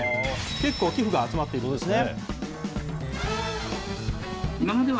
結構寄付が集まっているんですね。